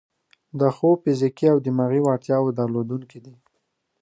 د ښو فزیکي او دماغي وړتیاوو درلودونکي دي.